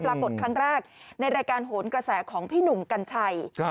ปรากฏครั้งแรกในรายการโหนกระแสของพี่หนุ่มกัญชัย